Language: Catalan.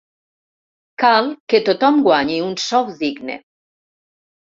Cal que tothom guanyi un sou digne.